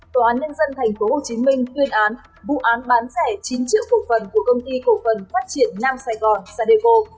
tòa án nhân dân tp hcm tuyên án vụ án bán rẻ chín triệu cổ phần của công ty cổ phần phát triển nam sài gòn sadeco